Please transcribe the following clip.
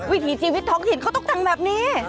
วิถีชีวิตท้องถิ่นเขาต้องแต่งแบบนี้